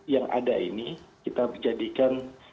yang ada ini kita menjadikan